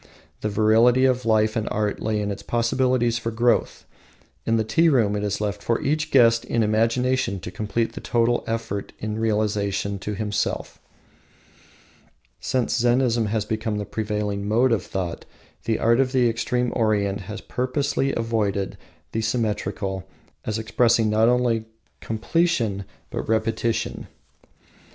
The virility of life and art lay in its possibilities for growth. In the tea room it is left for each guest in imagination to complete the total effect in relation to himself. Since Zennism has become the prevailing mode of thought, the art of the extreme Orient has purposefully avoided the symmetrical as expressing not only completion, but repetition.